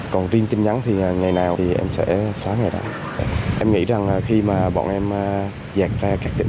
còn riêng tin nhắn thì ngày nào thì em sẽ xóa ngày đó em nghĩ rằng khi mà bọn em giặt ra các tỉnh